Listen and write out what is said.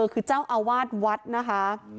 คือเจ้าอาวาสวัดนะคะ